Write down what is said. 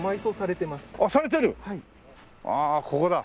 ああここだ。